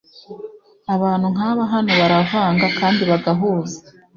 abantu nkaba hano baravanga kandi bagahuza